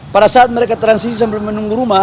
pada saat mereka transisi sambil menunggu rumah